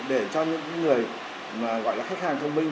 để cho những người gọi là khách hàng thông minh